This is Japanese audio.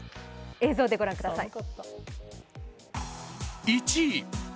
映像でご覧ください。